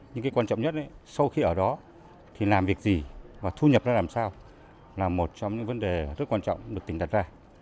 nhưng cái quan trọng nhất sau khi ở đó thì làm việc gì và thu nhập ra làm sao là một trong những vấn đề rất quan trọng được tỉnh đặt ra